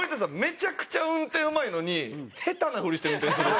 めちゃくちゃ運転うまいのに下手なふりして運転するんですよ。